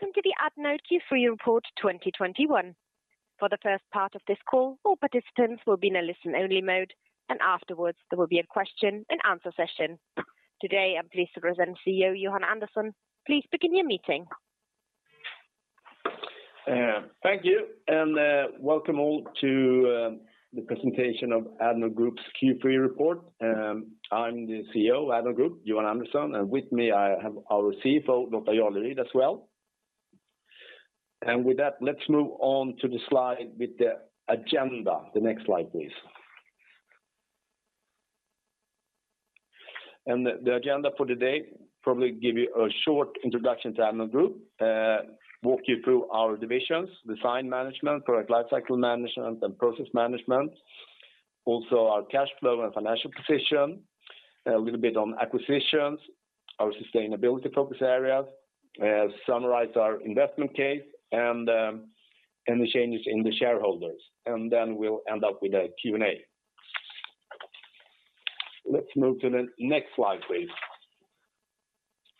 Welcome to the Addnode Q3 2021 report. For the first part of this call, all participants will be in a listen-only mode, and afterwards, there will be a question-and-answer session. Today, I'm pleased to present CEO Johan Andersson. Please begin your meeting. Thank you, and welcome all to the presentation of Addnode Group's Q3 report. I'm the CEO of Addnode Group, Johan Andersson, and with me, I have our CFO, Lotta Jarleryd, as well. With that, let's move on to the slide with the agenda. The next slide, please. The agenda for today probably give you a short introduction to Addnode Group, walk you through our divisions, Design Management, Product Lifecycle Management, and Process Management. Also, our cash flow and financial position, a little bit on acquisitions, our sustainability focus areas, summarize our investment case and the changes in the shareholders, and then we'll end up with a Q&A. Let's move to the next slide, please.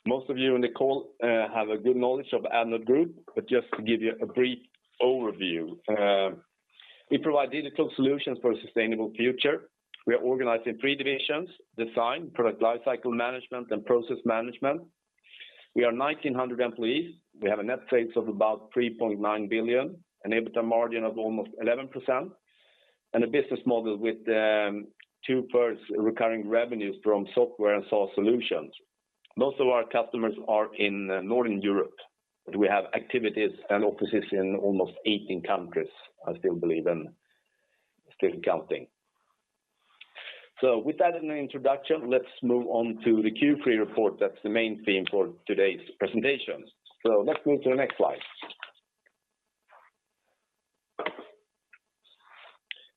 Most of you on the call have a good knowledge of Addnode Group, but just to give you a brief overview. We provide digital solutions for a sustainable future. We are organized in three divisions: Design Management, Product Lifecycle Management, and Process Management. We are 1,900 employees. We have a net sales of about 3.9 billion and EBITDA margin of almost 11%, and a business model with two-thirds recurring revenues from software and SaaS solutions. Most of our customers are in Northern Europe, but we have activities and offices in almost 18 countries, I still believe, and still counting. With that introduction, let's move on to the Q3 report. That's the main theme for today's presentation. Let's move to the next slide.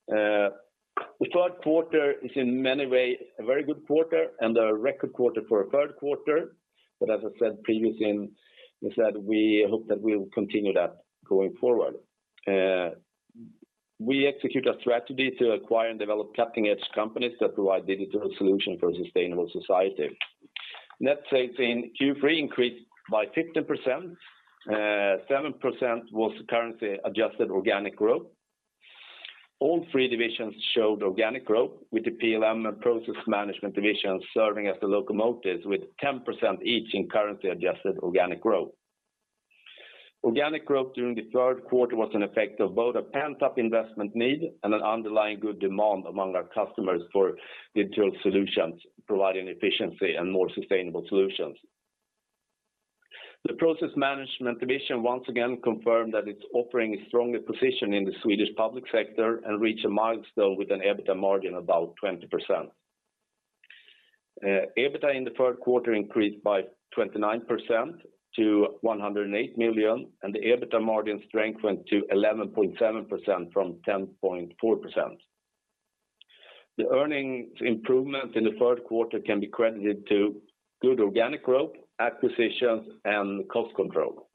The third quarter is in many ways a very good quarter and a record quarter for a third quarter. As I said previously, we said we hope that we will continue that going forward. We execute a strategy to acquire and develop cutting-edge companies that provide digital solutions for a sustainable society. Net sales in Q3 increased by 15%. 7% was currency-adjusted organic growth. All three divisions showed organic growth, with the PLM and Process Management divisions serving as the locomotives with 10% each in currency-adjusted organic growth. Organic growth during the third quarter was an effect of both a pent-up investment need and an underlying good demand among our customers for digital solutions, providing efficiency and more sustainable solutions. The Process Management division once again confirmed that its offering is strongly positioned in the Swedish public sector and reached a milestone with an EBITDA margin about 20%. EBITDA in the third quarter increased by 29% to 108 million, and the EBITDA margin strengthened to 11.7% from 10.4%. The earnings improvements in the third quarter can be credited to good organic growth, acquisitions, and cost control.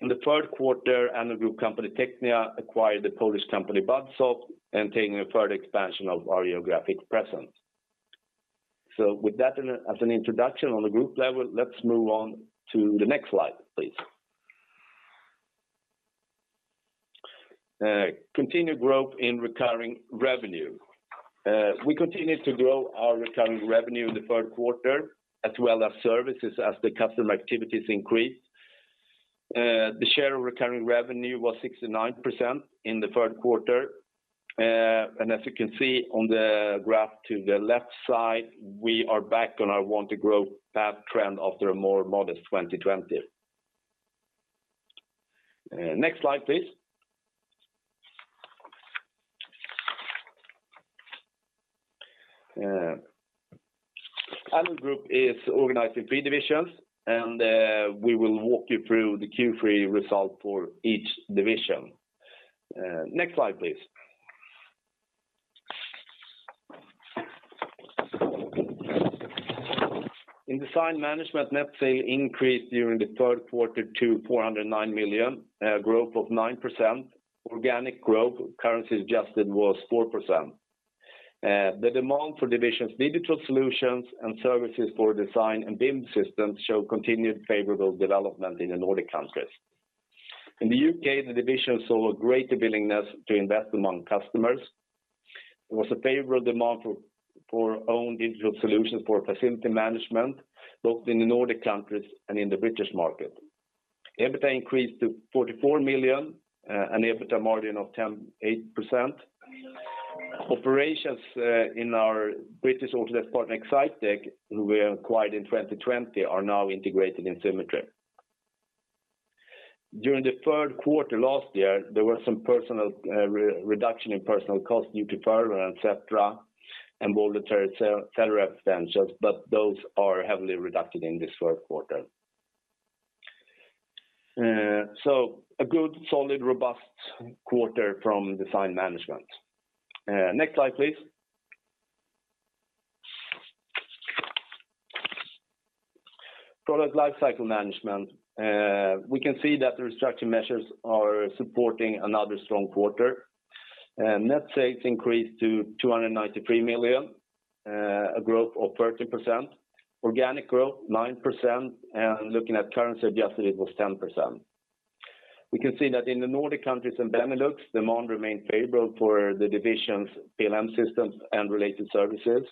In the third quarter, Addnode Group company TECHNIA acquired the Polish company BudSoft, obtaining a further expansion of our geographic presence. With that as an introduction on the group level, let's move on to the next slide, please. Continued growth in recurring revenue. We continued to grow our recurring revenue in the third quarter, as well as services as the customer activities increased. The share of recurring revenue was 69% in the third quarter. As you can see on the graph to the left side, we are back on our want-to-grow path trend after a more modest 2020. Next slide, please. Addnode Group is organized in three divisions, and we will walk you through the Q3 result for each division. Next slide, please. In Design Management, net sales increased during the third quarter to 409 million, a growth of 9%. Organic growth, currency-adjusted, was 4%. The demand for division's digital solutions and services for design and BIM systems show continued favorable development in the Nordic countries. In the U.K., the division saw a greater willingness to invest among customers. There was a favorable demand for own digital solutions for facility management, both in the Nordic countries and in the British market. EBITDA increased to 44 million, an EBITDA margin of 10.8%. Operations in our British Autodesk partner Excitech, who we acquired in 2020, are now integrated in Symetri. During the third quarter last year, there were some personnel reduction in personnel costs due to furlough, et cetera, and voluntary separation, but those are heavily reduced in this third quarter. So a good, solid, robust quarter from Design Management. Next slide, please. Product Lifecycle Management. We can see that the restructuring measures are supporting another strong quarter. Net sales increased to 293 million, a growth of 30%, organic growth 9%, and looking at currency adjusted it was 10%. We can see that in the Nordic countries and Benelux, demand remained favorable for the divisions PLM systems and related services.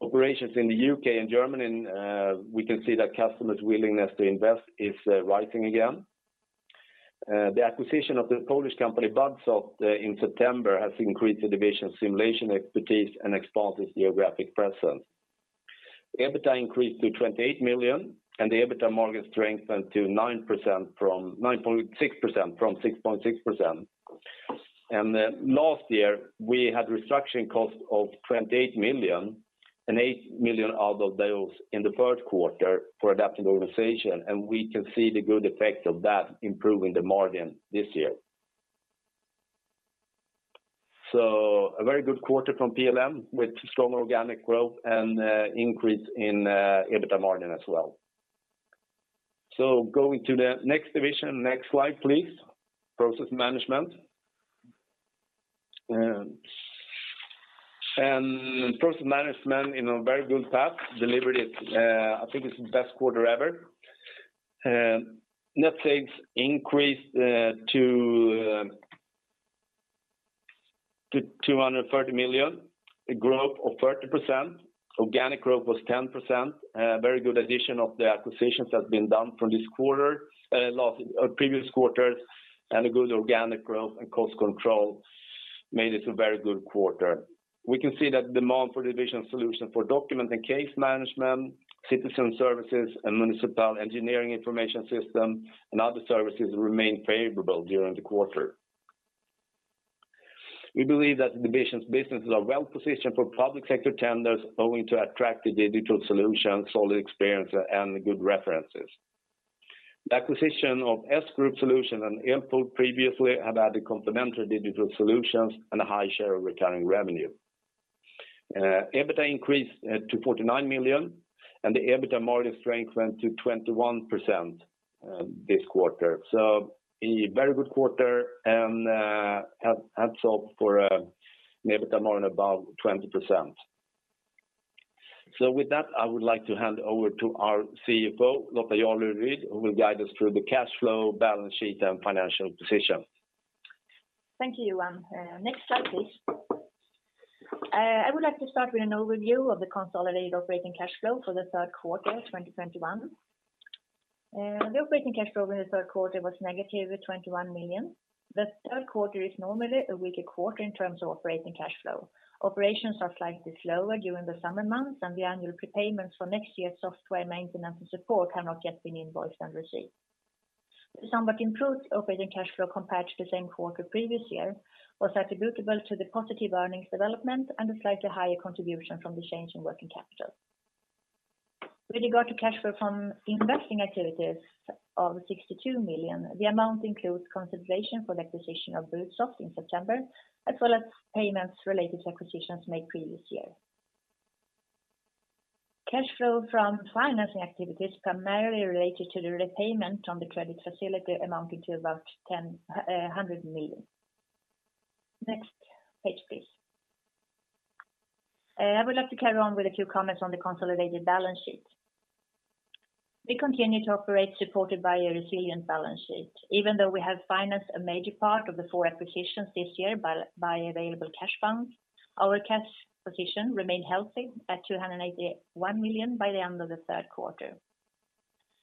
Operations in the U.K. and Germany, and we can see that customers' willingness to invest is rising again. The acquisition of the Polish company BudSoft in September has increased the division's simulation expertise and expanded geographic presence. EBITDA increased to 28 million, and the EBITDA margin strengthened to 9.6% from 6.6%. Then last year we had restructuring costs of 28 million and 8 million out of those in the third quarter for adapting organization, and we can see the good effects of that improving the margin this year. A very good quarter from PLM with strong organic growth and increase in EBITDA margin as well. Going to the next division, next slide, please. Process management. Process management on a very good path delivered its, I think, best quarter ever. Net sales increased to 230 million, a growth of 30%. Organic growth was 10%. Very good addition of the acquisitions that have been done from this quarter, or previous quarters, and a good organic growth and cost control made it a very good quarter. We can see that demand for division solution for document and case management, citizen services, and municipal engineering information system, and other services remained favorable during the quarter. We believe that the division's businesses are well-positioned for public sector tenders owing to attractive digital solutions, solid experience, and good references. The acquisition of S-GROUP Solutions and Input previously have added complementary digital solutions and a high share of recurring revenue. EBITDA increased to 49 million, and the EBITDA margin strengthened to 21% this quarter. A very good quarter and have sold for an EBITDA margin above 20%. With that, I would like to hand over to our CFO, Lotta Jarleryd, who will guide us through the cash flow, balance sheet, and financial position. Thank you, Johan. Next slide, please. I would like to start with an overview of the consolidated operating cash flow for the third quarter 2021. The operating cash flow in the third quarter was -21 million. The third quarter is normally a weaker quarter in terms of operating cash flow. Operations are slightly slower during the summer months, and the annual prepayments for next year's software maintenance and support have not yet been invoiced and received. The somewhat improved operating cash flow compared to the same quarter previous year was attributable to the positive earnings development and a slightly higher contribution from the change in working capital. With regard to cash flow from investing activities of 62 million, the amount includes consideration for the acquisition of BudSoft in September, as well as payments related to acquisitions made previous year. Cash flow from financing activities primarily related to the repayment from the credit facility amounting to about 100 million. Next page, please. I would like to carry on with a few comments on the consolidated balance sheet. We continue to operate supported by a resilient balance sheet. Even though we have financed a major part of the four acquisitions this year by available cash funds, our cash position remained healthy at 281 million by the end of the third quarter.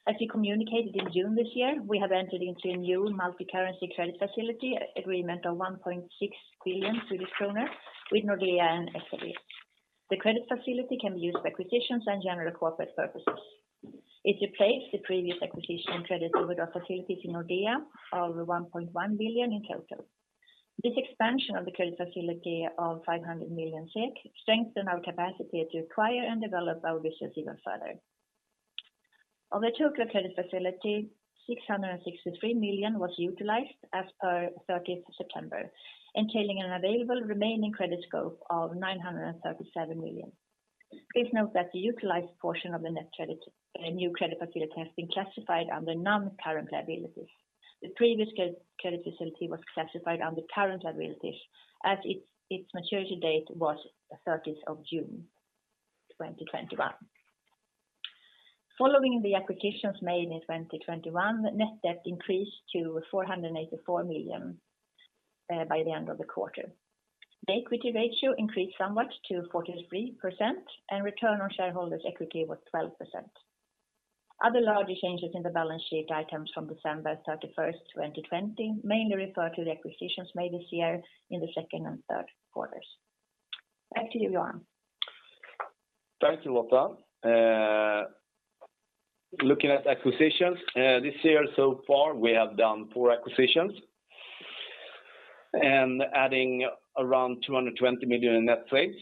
As we communicated in June this year, we have entered into a new multi-currency credit facility agreement of 1.6 billion Swedish kronor with Nordea and SEB. The credit facility can be used for acquisitions and general corporate purposes. It replaced the previous acquisition credit facility in Nordea of 1.1 billion in total. This expansion of the credit facility of 500 million SEK strengthened our capacity to acquire and develop our business even further. Of the total credit facility, 663 million was utilized as per 30 September, entailing an available remaining credit scope of 937 million. Please note that the utilized portion of the net new credit facility has been classified under non-current liabilities. The previous credit facility was classified under current liabilities as its maturity date was 30 June 2021. Following the acquisitions made in 2021, net debt increased to 484 million by the end of the quarter. The equity ratio increased somewhat to 43%, and return on shareholders' equity was 12%. Other larger changes in the balance sheet items from December 31, 2020 mainly refer to the acquisitions made this year in the second and third quarters. Back to you, Johan. Thank you, Lotta. Looking at acquisitions, this year so far we have done four acquisitions and adding around 220 million in net sales.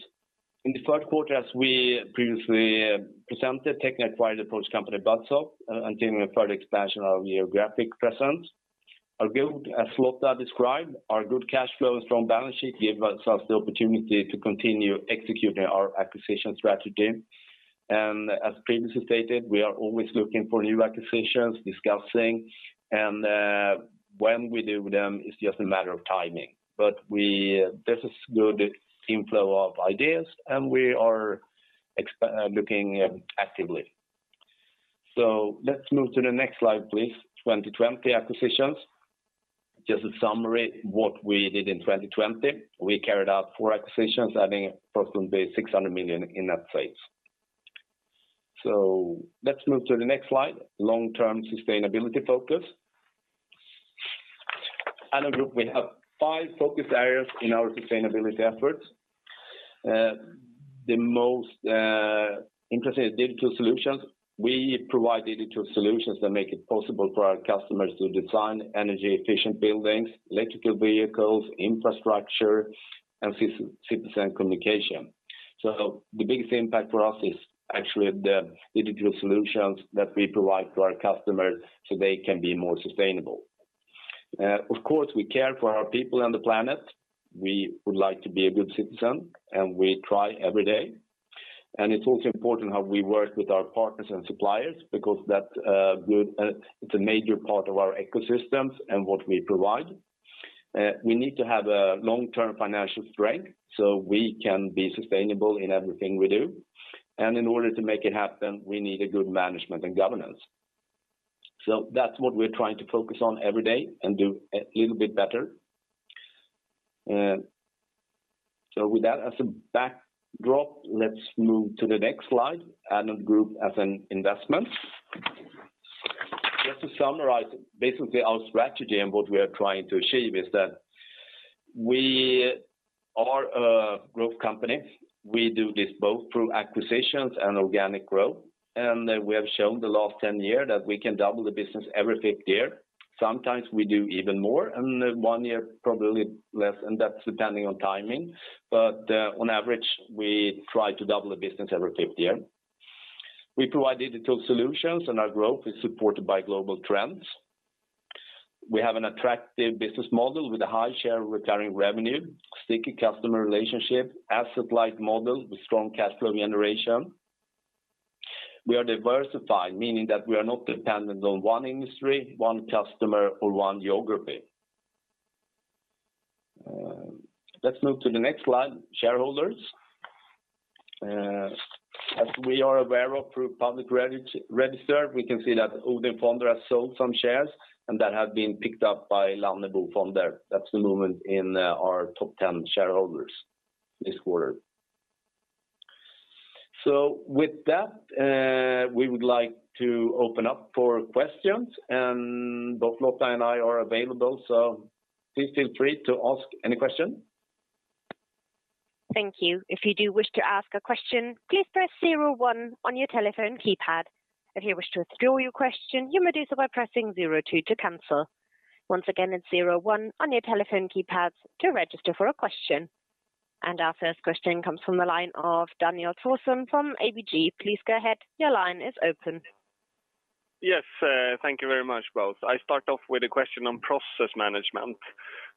In the third quarter, as we previously presented, TECHNIA acquired the Polish company BudSoft, continuing a further expansion of geographic presence. Our good, as Lotta described, our good cash flow and strong balance sheet give us the opportunity to continue executing our acquisition strategy. As previously stated, we are always looking for new acquisitions, discussing, and when we do them is just a matter of timing. This is good inflow of ideas, and we are looking actively. Let's move to the next slide, please. 2020 acquisitions. Just a summary what we did in 2020. We carried out four acquisitions, adding a pro forma base of SEK 600 million in that phase. Let's move to the next slide, long-term sustainability focus. At Addnode Group, we have five focus areas in our sustainability efforts. The most interesting is digital solutions. We provide digital solutions that make it possible for our customers to design energy-efficient buildings, electric vehicles, infrastructure, and citizen communication. The biggest impact for us is actually the digital solutions that we provide to our customers so they can be more sustainable. Of course, we care for our people on the planet. We would like to be a good citizen, and we try every day. It's also important how we work with our partners and suppliers because it's a major part of our ecosystems and what we provide. We need to have a long-term financial strength, so we can be sustainable in everything we do. In order to make it happen, we need a good management and governance. That's what we're trying to focus on every day and do a little bit better. With that as a backdrop, let's move to the next slide. Addnode Group as an investment. Just to summarize, basically our strategy and what we are trying to achieve is that we are a growth company. We do this both through acquisitions and organic growth, and we have shown the last 10 years that we can double the business every fifth year. Sometimes we do even more, and one year probably less, and that's depending on timing. On average, we try to double the business every fifth year. We provide digital solutions, and our growth is supported by global trends. We have an attractive business model with a high share of recurring revenue, sticky customer relationship, asset-light model with strong cash flow generation. We are diversified, meaning that we are not dependent on one industry, one customer, or one geography. Let's move to the next slide, shareholders. As we are aware of through public register, we can see that ODIN Fonder has sold some shares, and that has been picked up by Lannebo Fonder. That's the movement in our top 10 shareholders this quarter. With that, we would like to open up for questions, and both Lotta and I are available. Please feel free to ask any question. Thank you. Our first question comes from the line of Daniel Thorsson from ABG. Please go ahead. Your line is open. Yes, thank you very much both. I start off with a question on Process Management.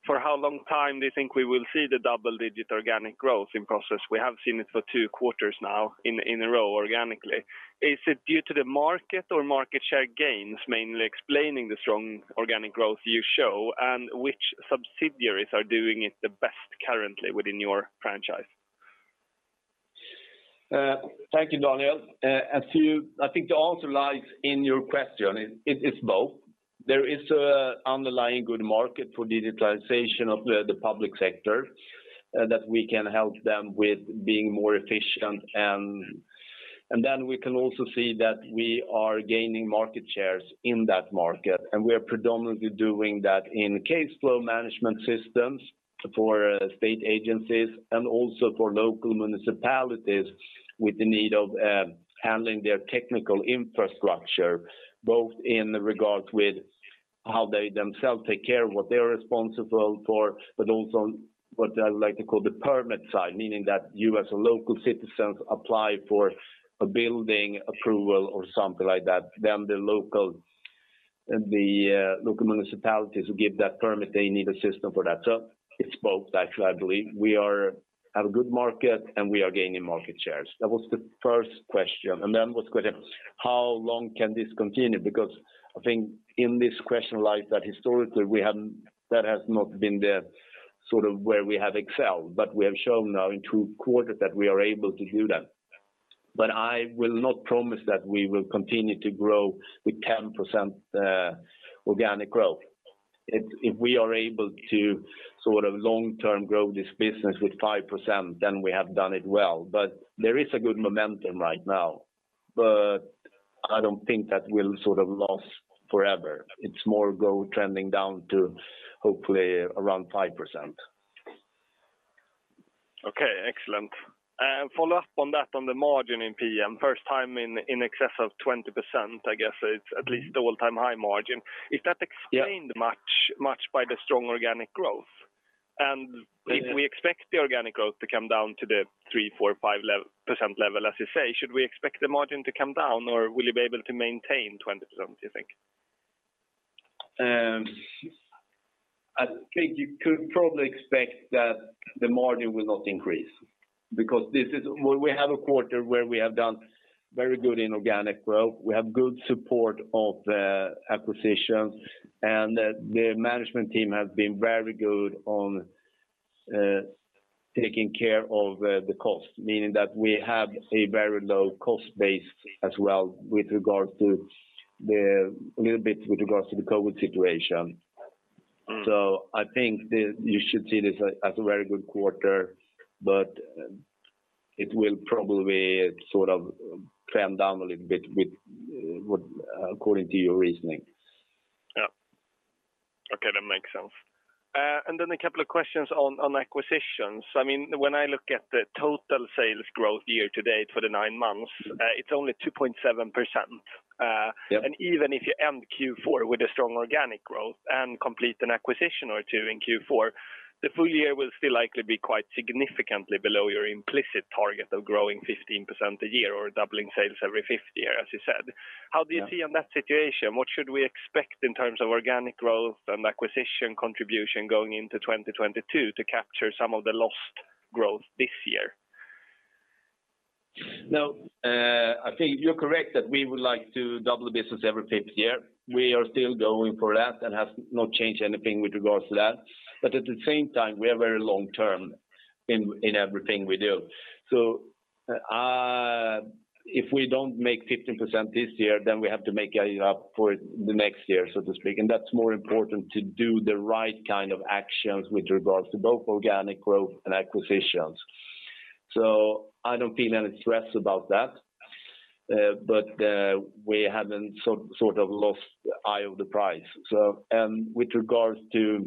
For how long time do you think we will see the double-digit organic growth in Process? We have seen it for two quarters now in a row organically. Is it due to the market or market share gains mainly explaining the strong organic growth you show? Which subsidiaries are doing it the best currently within your franchise? Thank you, Daniel. I think the answer lies in your question. It is both. There is an underlying good market for digitalization of the public sector that we can help them with being more efficient, and then we can also see that we are gaining market shares in that market. We are predominantly doing that in case flow management systems for state agencies and also for local municipalities with the need of handling their technical infrastructure, both in regards with how they themselves take care of what they're responsible for, but also what I would like to call the permit side, meaning that you as a local citizens apply for a building approval or something like that. The local municipalities who give that permit, they need a system for that. It's both, actually, I believe. We are at a good market, and we are gaining market shares. That was the first question. Then was question, how long can this continue? Because I think in this question lies that historically that has not been the sort of where we have excelled, but we have shown now in two quarters that we are able to do that. I will not promise that we will continue to grow with 10% organic growth. If we are able to sort of long-term grow this business with 5%, then we have done it well. There is a good momentum right now. I don't think that will sort of last forever. It's more go trending down to hopefully around 5%. Okay, excellent. Follow up on that on the margin in PM, first time in excess of 20%, I guess it's at least the all-time high margin. Yeah. Is that explained much, much by the strong organic growth? Yeah. If we expect the organic growth to come down to the 3%-5% level, as you say, should we expect the margin to come down, or will you be able to maintain 20%, do you think? I think you could probably expect that the margin will not increase because this is where we have a quarter where we have done very good in organic growth. We have good support of the acquisition, and the management team has been very good on taking care of the cost, meaning that we have a very low cost base as well with regards to a little bit with regards to the COVID situation. Mm. I think you should see this as a very good quarter, but it will probably sort of come down a little bit, according to your reasoning. Yeah. Okay, that makes sense. A couple of questions on acquisitions. I mean, when I look at the total sales growth year to date for the nine months, it's only 2.7%. Yeah. Even if you end Q4 with a strong organic growth and complete an acquisition or two in Q4, the full year will still likely be quite significantly below your implicit target of growing 15% a year or doubling sales every fifth year, as you said. Yeah. How do you see that situation? What should we expect in terms of organic growth and acquisition contribution going into 2022 to capture some of the lost growth this year? No, I think you're correct that we would like to double the business every fifth year. We are still going for that. That has not changed anything with regards to that. At the same time, we are very long-term in everything we do. If we don't make 15% this year, then we have to make it up for the next year, so to speak. That's more important to do the right kind of actions with regards to both organic growth and acquisitions. I don't feel any stress about that. We haven't sort of lost the eye on the prize. With regards to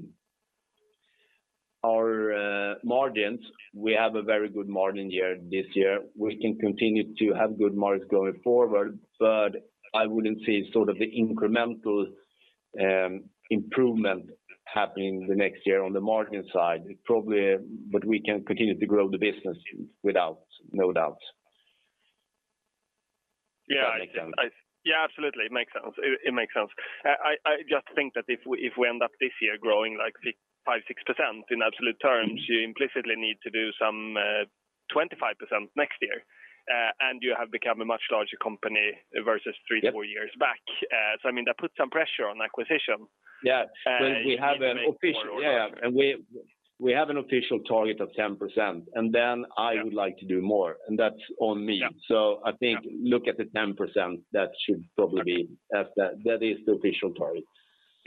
our margins, we have a very good margin year this year. We can continue to have good margins going forward, but I wouldn't say sort of the incremental improvement happening the next year on the margin side. Probably, but we can continue to grow the business without no doubt. Yeah. If that makes sense. Yeah, absolutely. It makes sense. I just think that if we end up this year growing like 5-6% in absolute terms, you implicitly need to do some 25% next year. You have become a much larger company versus three to four years back. Yeah. I mean, that puts some pressure on acquisition. Yeah. We have an official. You need to make more and more acquisitions. Yeah. We have an official target of 10%, and then I would like to do more, and that's on me. Yeah. I think look at the 10%, that is the official target.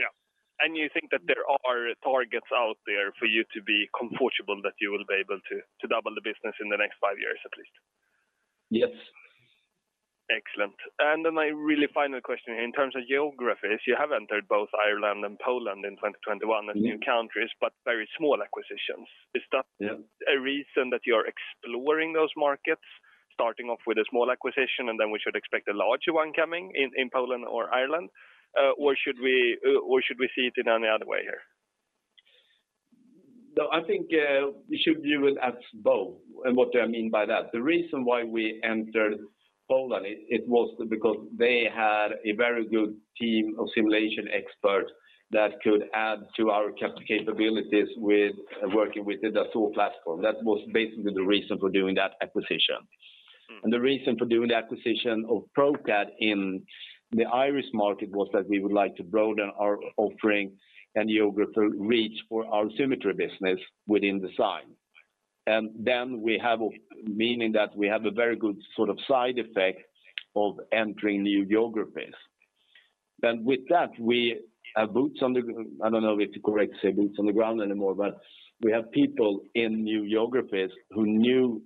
Yeah. You think that there are targets out there for you to be comfortable that you will be able to double the business in the next five years, at least? Yes. Excellent. My really final question, in terms of geographies, you have entered both Ireland and Poland in 2021 as new countries, but very small acquisitions. Yeah. Is that a reason that you're exploring those markets, starting off with a small acquisition, and then we should expect a larger one coming in Poland or Ireland? Or should we see it in any other way here? No, I think, we should view it as both. What do I mean by that? The reason why we entered Poland, it was because they had a very good team of simulation experts that could add to our capabilities with working with the Dassault platform. That was basically the reason for doing that acquisition. Mm. The reason for doing the acquisition of PROCAD in the Irish market was that we would like to broaden our offering and geographic reach for our Symetri business within design. We have a meaning that we have a very good sort of side effect of entering new geographies. With that, we have boots on the ground. I don't know if it's correct to say boots on the ground anymore, but we have people in new geographies who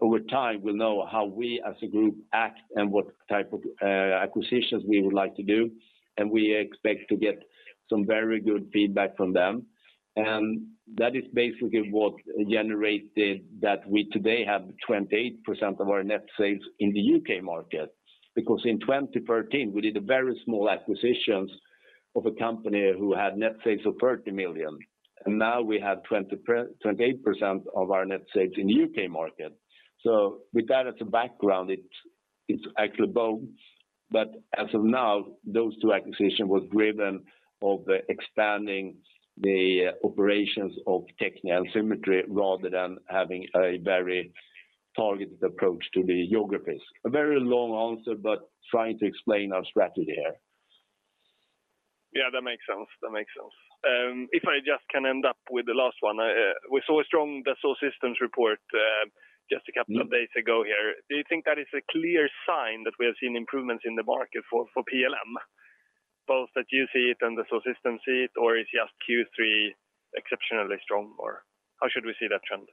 over time will know how we as a group act and what type of acquisitions we would like to do, and we expect to get some very good feedback from them. That is basically what generated that we today have 28% of our net sales in the U.K. market. Because in 2013, we did a very small acquisition of a company who had net sales of 30 million. Now we have 28% of our net sales in the U.K. market. With that as a background, it's actually both. As of now, those two acquisitions were driven by expanding the operations of TECHNIA Symetri rather than having a very targeted approach to the geographies. A very long answer, but trying to explain our strategy here. Yeah, that makes sense. If I just can end up with the last one. We saw a strong Dassault Systèmes report, just a couple of days ago here. Do you think that is a clear sign that we have seen improvements in the market for PLM? Both that you see it and Dassault Systèmes see it, or is just Q3 exceptionally strong, or how should we see that trend?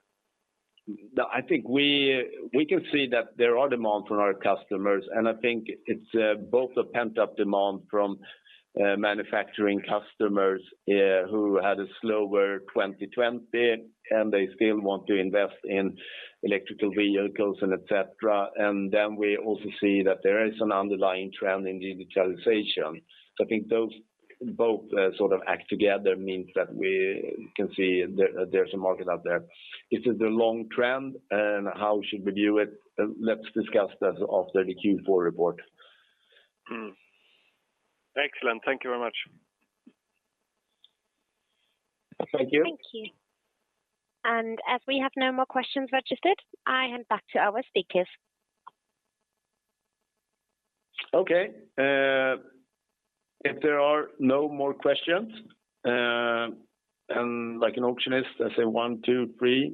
No, I think we can see that there are demand from our customers, and I think it's both a pent-up demand from manufacturing customers who had a slower 2020, and they still want to invest in electric vehicles and et cetera. We also see that there is an underlying trend in digitalization. I think those both sort of act together means that we can see there's a market out there. Is it a long trend, and how should we view it? Let's discuss that after the Q4 report. Excellent. Thank you very much. Thank you. Thank you. As we have no more questions registered, I hand back to our speakers. Okay. If there are no more questions, and like an auctioneer, I say one, two, three.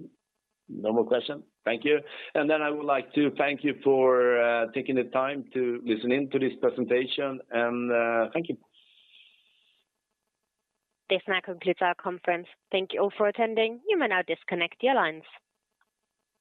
No more question? Thank you. I would like to thank you for taking the time to listen in to this presentation, and thank you. This now concludes our conference. Thank you all for attending. You may now disconnect your lines.